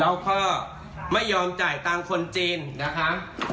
แล้วก็ไม่ยอมจ่ายตังค์คนจีนนะคะ